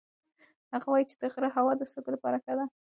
هغه وایي چې د غره هوا د سږو لپاره ښه ده.